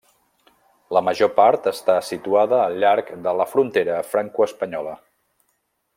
La major part està situada al llarg de la frontera francoespanyola.